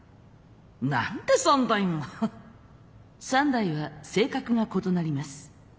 ３台は性格が異なります。